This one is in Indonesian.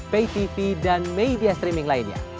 pay tv dan media streaming lainnya